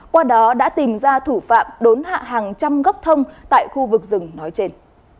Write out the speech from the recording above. qua đó đã tìm ra thủ phạm đốn hạ hàng trăm gốc thông tại khu vực rừng nói trên